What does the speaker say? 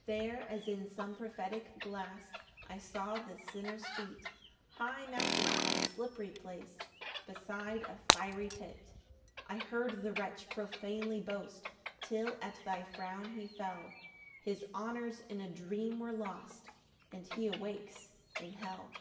7 There, as in some prophetic glass, I saw the sinner's feet High mounted on a slippery place, Beside a fiery pit. 8 I heard the wretch profanely boast, Till at thy frown he fell; His honours in a dream were lost, And he awakes in hell.